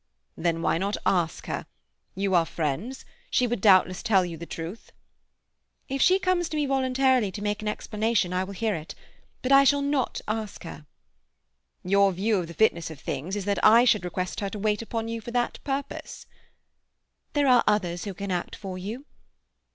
"Then why not ask her? You are friends. She would doubtless tell you the truth." "If she comes to me voluntarily to make an explanation, I will hear it. But I shall not ask her." "Your view of the fitness of things is that I should request her to wait upon you for that purpose?" "There are others who can act for you."